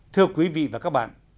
thưa quý vị và các bạn